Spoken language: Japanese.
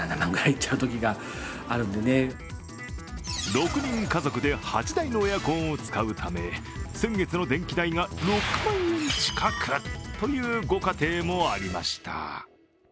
６人家族で８台のエアコンを使うため、先月の電気代が６万円近くというご家庭もありました。